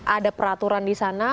ada peraturan di sana